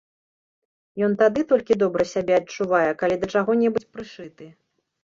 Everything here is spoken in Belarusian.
Ён тады толькі добра сябе адчувае, калі да чаго-небудзь прышыты.